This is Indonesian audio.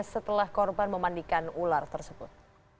setelah korban memandikan ular tersebut